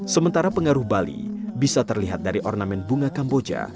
sementara pengaruh bali bisa terlihat dari ornamen bunga kamboja